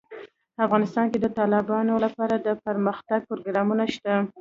افغانستان کې د تالابونه لپاره دپرمختیا پروګرامونه شته.